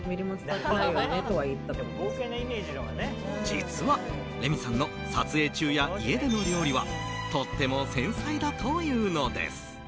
実は、レミさんの撮影中や家での料理はとっても繊細だというのです。